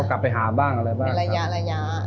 ก็กลับไปหาบ้างอะไรบ้างครับ